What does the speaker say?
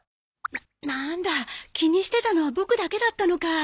なんだ気にしてたのはボクだけだったのか